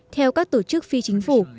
theo các tổ chức phi chính phủ